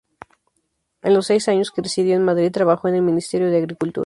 En los seis años que residió en Madrid trabajó en el Ministerio de Agricultura.